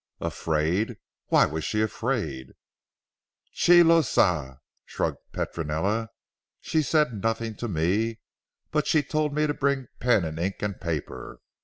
"Afraid! Why was she afraid?" "Chi lo sa," shrugged Petronella, "she said nothing to me. But she told me to bring pen and ink and paper.